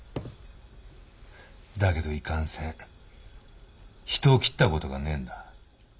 だけどいかんせん人を斬った事がねえんだ。